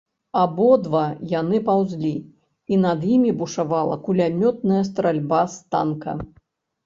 Абодва яны паўзлі, і над імі бушавала кулямётная стральба з танка.